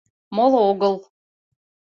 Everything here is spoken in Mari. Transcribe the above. Моло огыл.